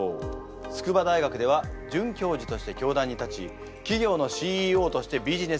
筑波大学では准教授として教壇に立ち企業のＣＥＯとしてビジネスも手がける。